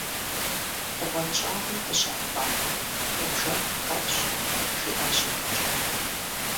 - Бгъуэнщӏагъым фыщамыпӏамэ, мы бжэр къухуэфщӏ, – жиӏащ егъэджакӏуэм.